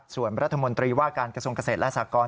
ส่วนรัฐมนตรีว่าการกระทรวงเกษตรและสากร